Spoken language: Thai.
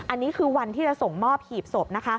อันนี้คือวันที่จะส่งมอบหีบศพนะคะ